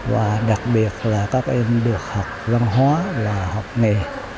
và đặc biệt là các em được học văn hóa là học nghề